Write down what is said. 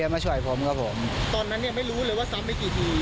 ตอนนั้นเนี่ยไม่รู้เลยว่าซ้ำไปกี่ที